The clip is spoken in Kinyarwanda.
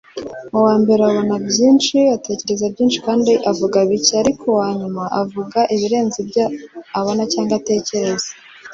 uwambere abona byinshi, atekereza byinshi, kandi avuga bike; ariko uwanyuma avuga ibirenze ibyo abona cyangwa atekereza